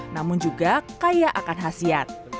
namun juga kaya akan khasiat